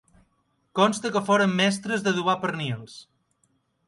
Consta que foren mestres d'adobar pernils.